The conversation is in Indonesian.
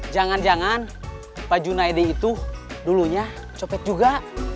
jangan jangan pak junaidi itu dulunya copet juga